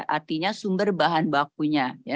artinya sumber bahan bakunya